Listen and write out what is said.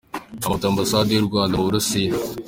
Amafoto: Ambasade y’u Rwanda mu Burusiya.